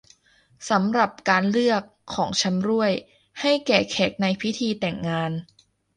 สำหรับการเลือก ของชำร่วย ให้แก่แขกในพิธีแต่งงาน